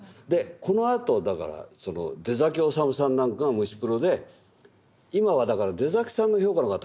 このあとだから出統さんなんかが虫プロで今はだから出さんの評価の方が高いんですよ。